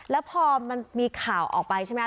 แล้วพอมันมีข่าวออกไปใช่ไหม